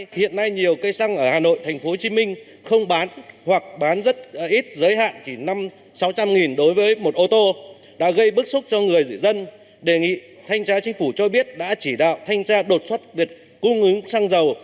bộ trưởng bộ công thương đề nghị thanh tra chính phủ cho biết đã chỉ đạo thanh tra đột xuất việc cung ứng xăng dầu